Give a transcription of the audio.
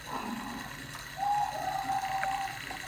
მეჰმედი იყო სულეიმანის მეორე ვაჟი მუსტაფას შემდეგ.